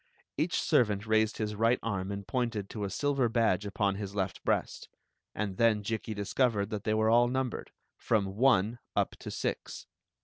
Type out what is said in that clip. Each servant raised his right arm and pointed to a silver badge upon his left breast; and then Jikki dis covered that they were all numbered, from "one" up to "six."